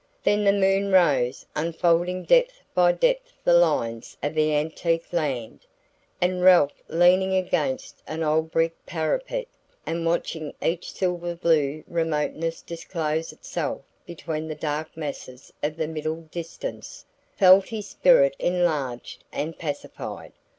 Then the moon rose, unfolding depth by depth the lines of the antique land; and Ralph, leaning against an old brick parapet, and watching each silver blue remoteness disclose itself between the dark masses of the middle distance, felt his spirit enlarged and pacified.